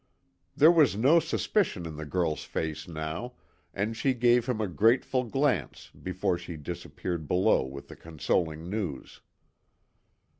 There was no suspicion in the girl's face now, and she gave him a grateful glance before she disappeared below with the consoling news.